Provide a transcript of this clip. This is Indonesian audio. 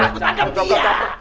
itu kejar gua tuh yuk